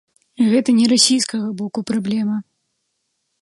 Гэта не расійскага боку праблема.